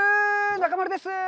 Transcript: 中丸です。